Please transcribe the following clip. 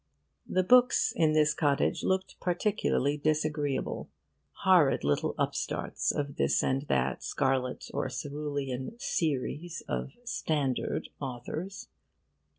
The books in this cottage looked particularly disagreeable horrid little upstarts of this and that scarlet or cerulean 'series' of 'standard' authors.